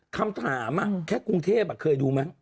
คำถามอะแค่กรุงเทพเคยดูมั้ย